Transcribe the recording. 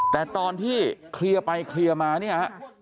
แต่ตอนที่เคลียร์ไปเคลียร์มาเนี่ยฮะ